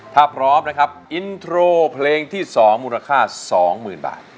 ถ้าพร้อมนะครับอินโทรเพลงที่๒มูลค่า๒๐๐๐บาท